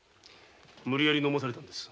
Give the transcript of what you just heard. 無理に飲まされたんです。